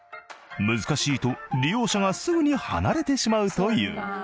難しいと利用者がすぐに離れてしまうという。